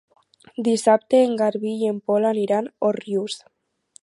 Dissabte en Garbí i en Pol aniran a Òrrius.